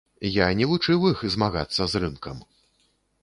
Я не вучыў іх змагацца з рынкам.